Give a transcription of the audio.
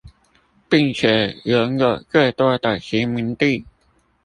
並且擁有最多的殖民地